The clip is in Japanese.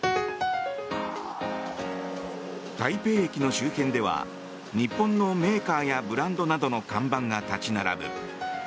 台北駅の周辺では日本のメーカーやブランドなどの看板が立ち並ぶ。